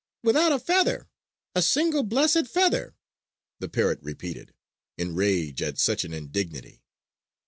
"Without a feather, a single blessed feather!" the parrot repeated, in rage at such an indignity.